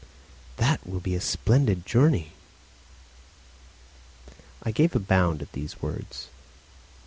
"That will be a splendid journey!" I gave a bound at these words.